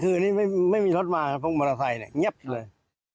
คืออันนี้ไม่มีรถมาเพราะมอเตอร์ไซค์เนี่ยเงียบเลย